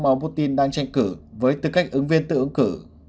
mà putin đang tranh cử với tư cách ứng viên tự ứng cử